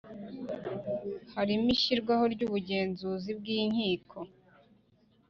harimo ishyirwaho ry’Ubugenzuzi bw’inkiko.